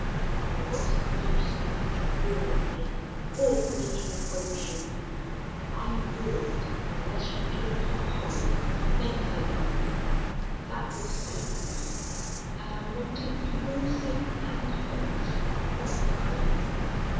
But what's the use for you to roar at me or for me to reproach you? I'm ruined unless you give me Collie make her love me. That will save me. And I want it for your sake and hers not for my own.